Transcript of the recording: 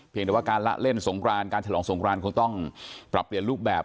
แต่ว่าการละเล่นสงกรานการฉลองสงครานคงต้องปรับเปลี่ยนรูปแบบ